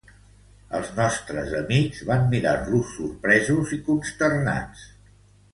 Els nostres amics van mirar-los sorpresos i consternats.